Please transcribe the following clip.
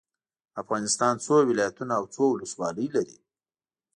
افغانستان څو ولايتونه او څو ولسوالي لري؟